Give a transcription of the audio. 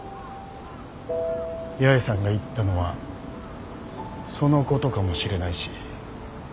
八重さんが言ったのはそのことかもしれないし。